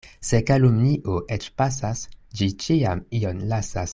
Se kalumnio eĉ pasas, ĝi ĉiam ion lasas.